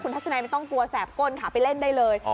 ทัศนัยไม่ต้องกลัวแสบก้นค่ะไปเล่นได้เลย